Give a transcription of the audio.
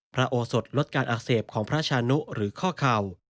โอสดลดการอักเสบของพระชานุหรือข้อเข่า